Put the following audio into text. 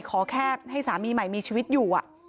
ขอแค่ให้สามีใหม่มีชีวิตอยู่